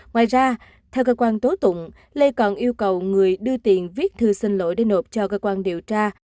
ngoài ra theo cơ quan tố tụng lê còn yêu cầu người đưa tiền viết thư xin lỗi để nộp cho cơ quan điều tra